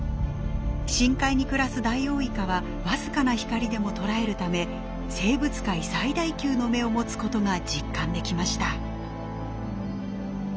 深海に暮らすダイオウイカは僅かな光でも捉えるため生物界最大級の目を持つことが実感できました。